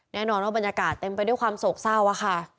แน่นอนว่าบรรยากาศเต็มไปด้วยความโศกเศร้าค่ะ